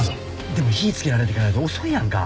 でも火ぃつけられてからやと遅いやんか。